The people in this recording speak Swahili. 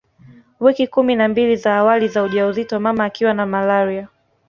Wiki kumi na mbili za awali za ujauzito mama akiwa na malaria